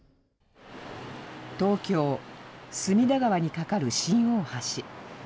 東京、隅田川に架かる新大橋。